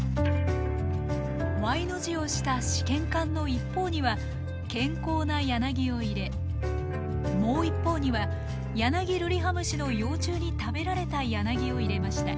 Ｙの字をした試験管の一方には健康なヤナギを入れもう一方にはヤナギルリハムシの幼虫に食べられたヤナギを入れました。